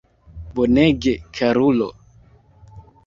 Bonege, karulo!